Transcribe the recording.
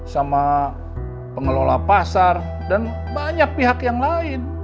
sama pengelola pasar dan banyak pihak yang lain